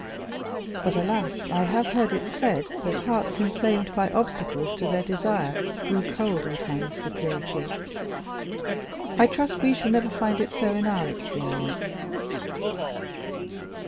But, alas, I have heard it said that hearts inflamed by obstacles to their desire grew cold in time of security; I trust we shall never find it so in our experience!"